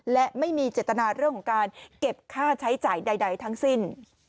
และไม่มีเจตนาเรื่องของการเก็บค่าใช้จ่ายใดทั้งสิ้น